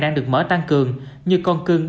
đang được mở tăng cường